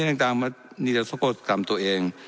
นิทยากรรมตัวเอง